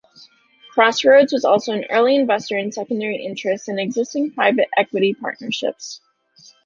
Crossroads was also an early investor in secondary interests in existing private equity partnerships.